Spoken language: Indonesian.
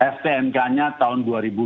stnk nya tahun dua ribu dua puluh